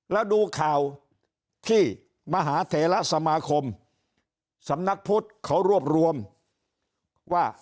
แล้วดูข่าวที่มหาเถระสมาคมสำนักพุทธเขารวบรวมว่า